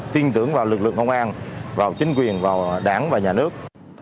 tin tưởng vào lực lượng công an vào chính quyền vào đảng và nhà nước